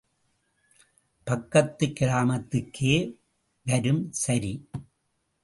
பக்கத்துக் கிராமத்துக்கே வரும் சரி.